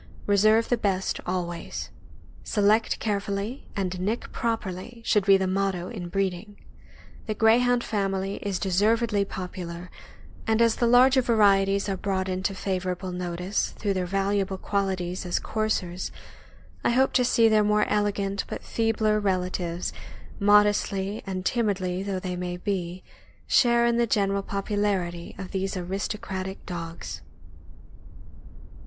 Re serve the best always. Select carefully and nick properly should be the motto in breeding. The Greyhound family is deservedly popular, and as the larger varieties are brought into favorable notice through their valuable qualities as coursers, I hope to see their more elegant but feebler relatives, modestly and timidly though they may, share in the general popularity of these aristocratic dogs.